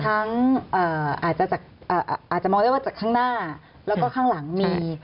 อาจจะอาจจะมองได้ว่าจากข้างหน้าแล้วก็ข้างหลังมี